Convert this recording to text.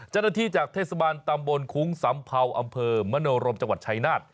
จันที่จากเธศบาลตำบลคลุงสัมพาวอำเภอมนโรมจังหวัดชัยนาอ